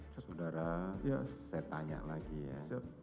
saudara saya tanya lagi ya